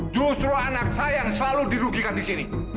justru anak saya yang selalu dirugikan di sini